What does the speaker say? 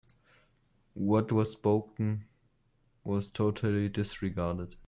What was spoken was totally disregarded.